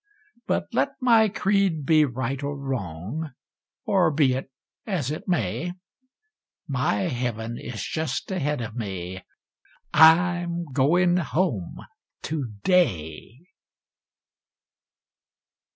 But let my creed be right or wrong, or be it as it may, My heaven is just ahead of me I'm going home to day.